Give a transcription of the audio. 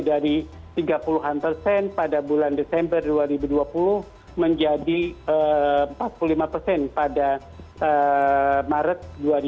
dari tiga puluh an persen pada bulan desember dua ribu dua puluh menjadi empat puluh lima persen pada maret dua ribu dua puluh